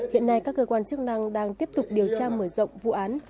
hiện nay các cơ quan chức năng đang tiếp tục điều tra mở rộng vụ án